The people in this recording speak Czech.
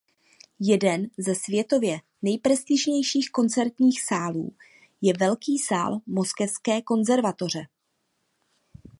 Jeden ze světově nejprestižnějších koncertních sálů je Velký sál Moskevské konzervatoře.